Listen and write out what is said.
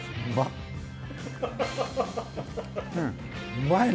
うまいね。